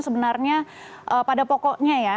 sebenarnya pada pokoknya ya